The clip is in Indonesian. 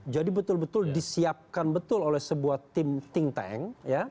jadi betul betul disiapkan betul oleh sebuah tim think tank